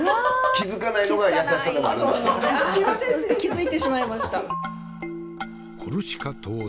気付いてしまいました。